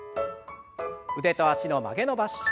腕と脚の曲げ伸ばし。